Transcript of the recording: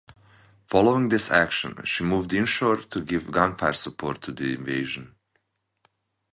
Following this action, she moved inshore to give gunfire support to the invasion.